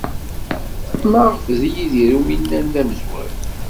Maɣef d Yidir umi nnan d amezwaru?